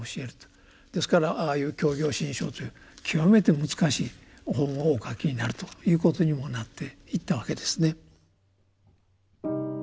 ですからああいう「教行信証」という極めて難しい本をお書きになるということにもなっていったわけですね。